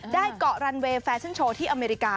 เกาะรันเวย์แฟชั่นโชว์ที่อเมริกา